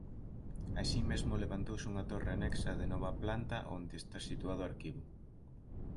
Así mesmo levantouse unha torre anexa de nova planta onde esta situado o arquivo.